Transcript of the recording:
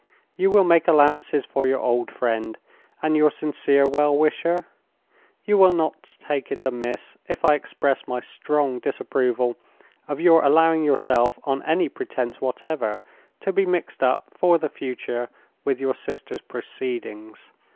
You will make allowances for your old friend, and your sincere well wisher? You will not take it amiss if I express my strong disapproval of your allowing yourself, on any pretense whatever, to be mixed up for the future with your sister's proceedings.